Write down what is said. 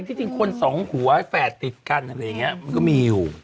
ที่จริงคนสองหัวแฝดติดกันอะไรอย่างนี้มันก็มีอยู่